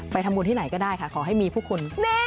ทำบุญที่ไหนก็ได้ค่ะขอให้มีผู้คุณ